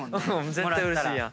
絶対うれしいやん。